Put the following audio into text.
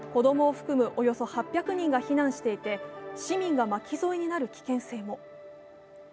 工場の地下には子供を含むおよそ８００人が避難していて、市民が巻き添えになる危険性も。